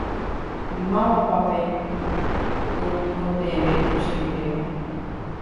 Mávapa pe temikotevẽ tuichavéva?